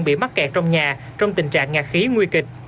bị mắc kẹt trong nhà trong tình trạng ngạc khí nguy kịch